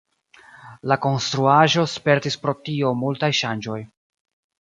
La konstruaĵo spertis pro tio multaj ŝanĝoj.